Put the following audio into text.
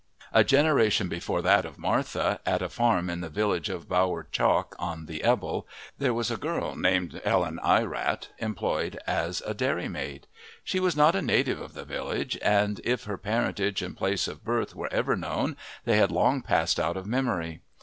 A generation before that of Martha, at a farm in the village of Bower Chalk on the Ebble, there was a girl named Ellen Ierat employed as a dairymaid. She was not a native of the village, and if her parentage and place of birth were ever known they have long passed out of memory.